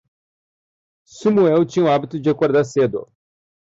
Sumuel tinha o hábito de acordar cedo.